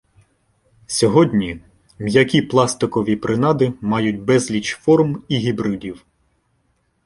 Сьогодні, м'які пластикові принади мають безліч форм і гібридів.